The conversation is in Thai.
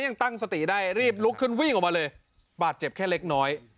ยังตั้งสติได้รีบลุกขึ้นวิ่งออกมาเลยบาดเจ็บแค่เล็กน้อย